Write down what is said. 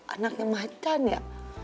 anaknya macan ya